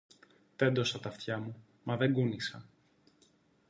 Τέντωσα τ' αυτιά μου, μα δεν κούνησα